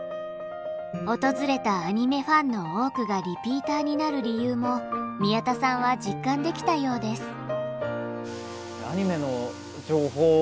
訪れたアニメファンの多くがリピーターになる理由も宮田さんは実感できたようです。